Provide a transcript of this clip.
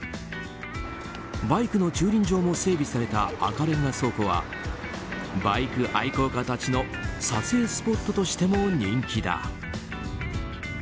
バイクの駐輪場も整備された赤レンガ倉庫はバイク愛好家たちの撮影スポットとしても人気だ。